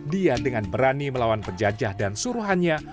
dia dengan berani melawan penjajah dan suruhannya